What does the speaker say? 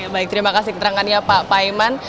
baik terima kasih keterangannya pak paiman